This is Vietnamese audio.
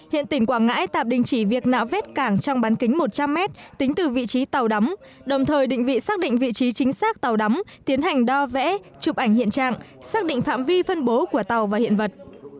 hiện tỉnh quảng ngãi tạm đình chỉ việc nạo vét cảng trong bán kính một trăm linh m tính từ vị trí tàu đắm đồng thời định vị xác định vị trí chính xác tàu đắm tiến hành đo vẽ chụp ảnh hiện trạng xác định phạm vi phân bố của tàu và hiện vật